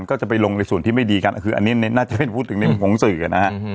ก็จะไปลงในส่วนที่ไม่ดีกันอันนี้น่าจะเป็นพูดถึงในบุงสื่อ